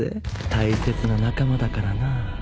大切な仲間だからなぁ。